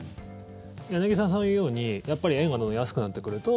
柳澤さんが言うようにやっぱり円が安くなってくると